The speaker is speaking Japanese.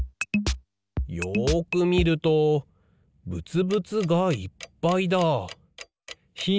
よくみるとぶつぶつがいっぱいだ。